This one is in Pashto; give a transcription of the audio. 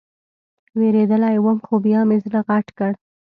وېرېدلى وم خو بيا مې زړه غټ کړ.